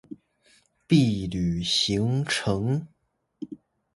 畢旅行程